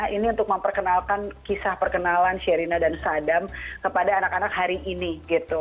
ini untuk memperkenalkan kisah perkenalan sherina dan sadam kepada anak anak hari ini gitu